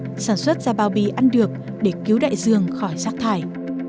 hãng bia sunwater sản xuất ra bao bì ăn được để cứu đại dương khỏi rác thải